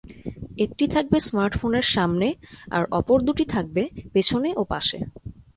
একটি থাকবে স্মার্টফোনের সামনে আর অপর দুটি থাকবে পেছনে ও পাশে।